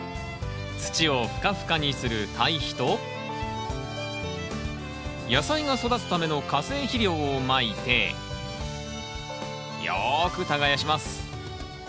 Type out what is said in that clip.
土をふかふかにする堆肥と野菜が育つための化成肥料をまいてよく耕します。